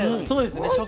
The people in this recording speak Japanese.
そうですね。